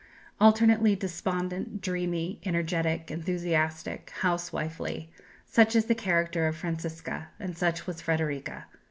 Alternately despondent, dreamy, energetic, enthusiastic, housewifely, such is the character of Francisca, and such was Frederika.